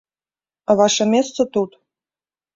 А ваша месца тут.